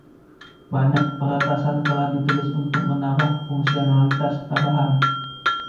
Banyak "peretasan" telah ditulis untuk menambah fungsionalitas tambahan.